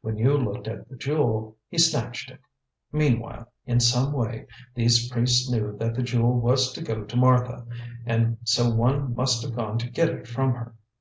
When you looked at the jewel he snatched it. Meanwhile, in some way, these priests knew that the jewel was to go to Martha, and so one must have gone to get it from her.